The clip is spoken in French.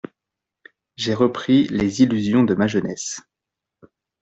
J'ai repris les illusions de ma jeunesse.